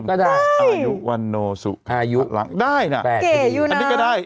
ก็ได้